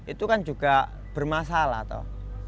itu kan juga bermasalah